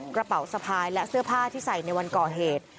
กระเป๋าสะพายและเสื้อผ้าที่ใส่ในวันก่อเหตุ